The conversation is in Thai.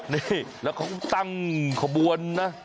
นี่แล้วเขาตั้งขบวนนะ